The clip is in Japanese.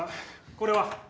これは？